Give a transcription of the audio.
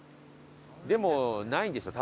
でもないんでしょ？